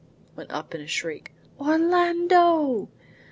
went up in a shriek. "Orlando?"